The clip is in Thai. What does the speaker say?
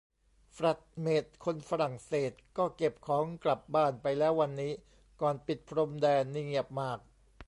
แฟลตเมตคนฝรั่งเศสก็เก็บของกลับบ้านไปแล้ววันนี้ ก่อนปิดพรมแดน นี่เงียบมาก